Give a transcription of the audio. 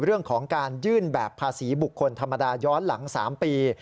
เรื่องของการยื่นแบบภาษีบุคคลธรรมดาย้อนหลัง๓ปี